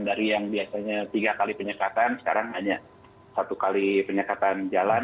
dari yang biasanya tiga kali penyekatan sekarang hanya satu kali penyekatan jalan